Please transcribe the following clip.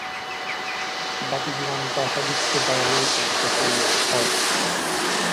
বাকী জীবন তাহাদিগকে দাঁড়াইয়াই থাকিতে হয়।